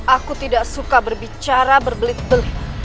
aku tidak suka berbicara berbelit belit